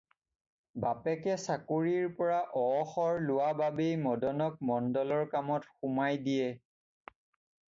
বাপেকে চাকৰিৰ পৰা অৱসৰ লোৱা বাবেই মদনক মণ্ডলৰ কামত সুমাই দিয়ে।